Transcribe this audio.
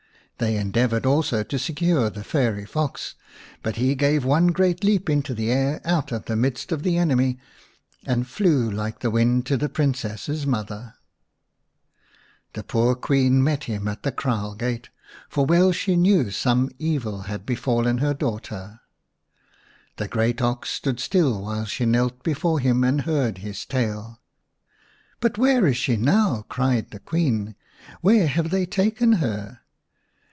They endeavoured also to secure the fairy ox, but he gave one great leap into the air out of the midst of the enemy, and: flew like the wind to the Princess's mother/ x The poor Queen met him at the kraal gate, for well she knew some evil had befallen her 37 The Shining Princess iv daughter. The great ox stood still while she knelt before him and heard his tale. " But where is she now ?" cried the Queen ;" where have they taken her